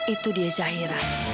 itu dia zahira